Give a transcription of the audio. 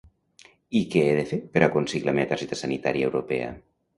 Què he de fer per aconseguir la meva targeta sanitària europea?